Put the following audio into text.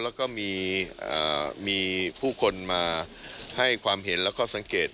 แล้วก็มีผู้คนมาให้ความเห็นแล้วก็สังเกต